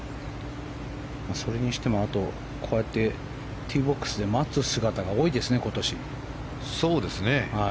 それにしても、こうやってティーボックスで待つ姿が多いですね、今年。